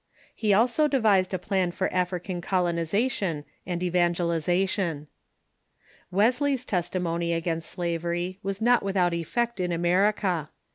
He also devised a plan for African colonization and evangelization. Wesley's testimony against slavery was not without effect in America.